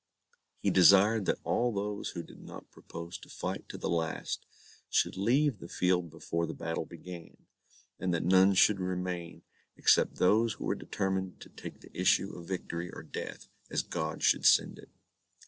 He desired that all those who did not propose to fight to the last, should leave the field before the battle began, and that none should remain except those who were determined to take the issue of victory or death, as God should send it.